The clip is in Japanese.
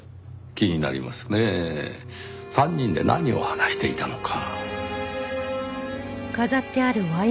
気になりますねぇ３人で何を話していたのか。